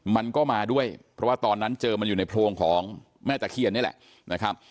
มันก็มาด้วยเพราะว่าตอนนั้นเจอมันอยู่ในโพรงของแม่ตะเคียนนี่แหละนะครับ